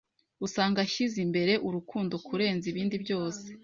usanga ashyize imbere urukundo kurenza ibindi byose.